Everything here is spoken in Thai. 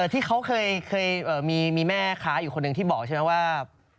ที่เขาเคยมีแม่ค้าอยู่คนหนึ่งที่บอกใช่ไหมว่า